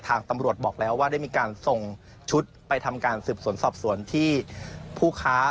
ตำรวจบอกแล้วว่าได้มีการส่งชุดไปทำการสืบสวนสอบสวนที่ผู้ค้า